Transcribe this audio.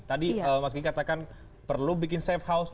tadi mas kiki katakan perlu bikin safe house